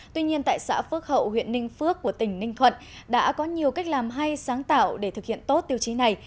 tuy nhiên tại xã phước hậu huyện ninh phước của tỉnh ninh thuận đã có nhiều cách làm hay sáng tạo để thực hiện tốt tiêu chí này